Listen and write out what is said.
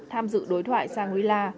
tham dự đối thoại shangri la